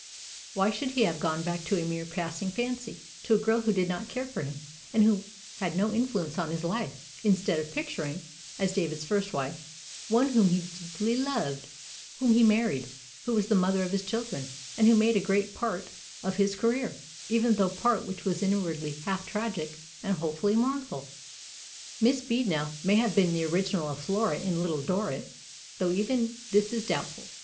Why should he have gone back to a mere passing fancy, to a girl who did not care for him, and who had no influence on his life, instead of picturing, as David's first wife, one whom he deeply loved, whom he married, who was the mother of his children, and who made a great part of his career, even that part which was inwardly half tragic and wholly mournful? Miss Beadnell may have been the original of Flora in Little Dorrit, though even this is doubtful.